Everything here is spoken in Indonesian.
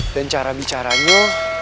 dan cara bicaranya